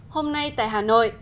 hôm nay tại hà nội